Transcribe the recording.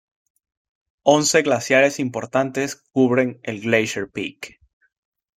Once glaciares importantes cubren el Glacier Peak.